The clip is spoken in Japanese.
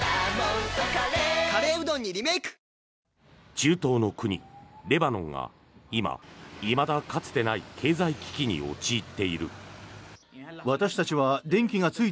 中東の国、レバノンが今、いまだかつてない経済危機に陥っている。